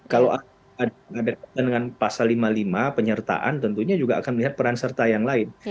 kalau ada dengan pasal lima puluh lima penyertaan tentunya juga akan melihat peran serta yang lain